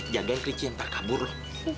jagain kelincian nanti kabur loh